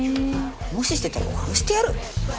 もししてたら殺してやる。